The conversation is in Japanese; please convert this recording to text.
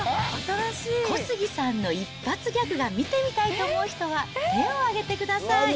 小杉さんの一発ギャグが見てみたいと思う人は、手を挙げてください。